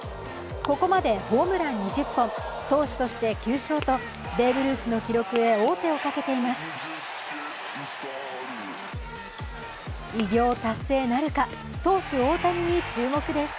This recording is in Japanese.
ここまでホームラン２０本、投手として９勝と、ベーブ・ルースの記録に王手をかけています。